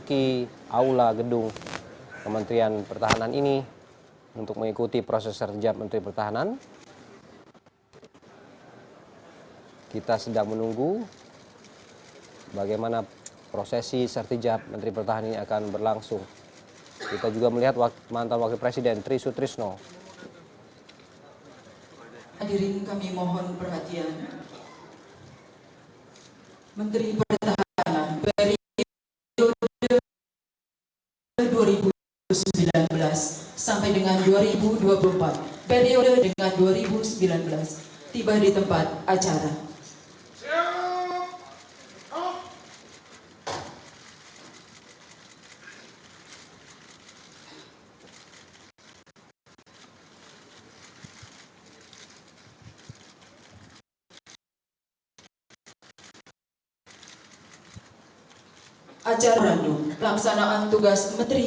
kalau berpandai syukur dan atapan raya berdeka berdeka tanahku dunia dan hidup yang ku cinta